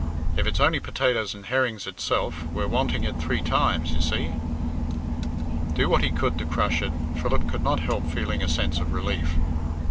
If it's only potatoes and herrings itself, we're wanting it three times, you see." Do what he would to crush it, Philip could not help feeling a sense of relief.